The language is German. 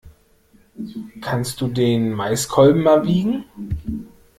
Kannst du den Maiskolben mal wiegen?